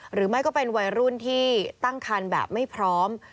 หรือไม่ก็เป็นวัยรุ่นที่ตั้งคันแบบไม่พร้อม